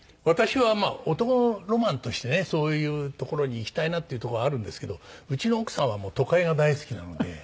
私は男のロマンとしてねそういう所に行きたいなっていうとこはあるんですけどうちの奥さんは都会が大好きなので。